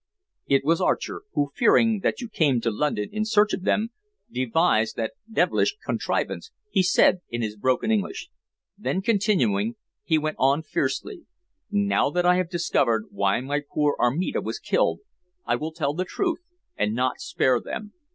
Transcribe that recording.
"It was Archer, who, fearing that you came to London in search of them, devised that devilish contrivance," he said in his broken English. Then continuing, he went on fiercely: "Now that I have discovered why my poor Armida was killed, I will tell the truth, and not spare them.